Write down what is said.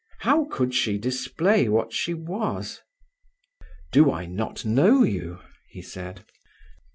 How could she display what she was? "Do I not know you?" he said.